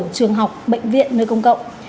trường học bệnh viện nơi công cộng